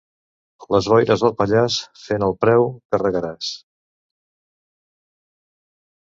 Les boires al Pallars, fent el preu carregaràs.